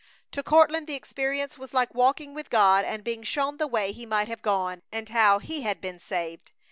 To Courtland the experience was like walking with God and being shown the way he might have gone, and how he had been saved.